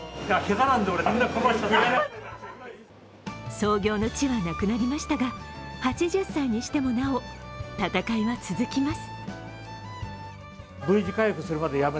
創業の地はなくなりましたが、８０歳にしてもなお、戦いは続きます。